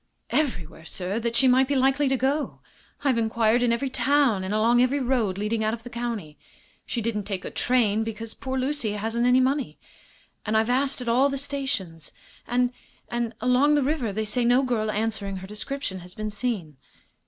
"Everywhere, sir, that she might be likely to go. I've inquired in every town, and along every road leading out of the county. She didn't take a train, because poor Lucy hadn't any money and I've asked at all the stations. And and along the river they say no girl answering her description has been seen."